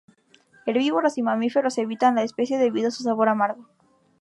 Herbívoros y mamíferos evitan la especie debido a su sabor amargo.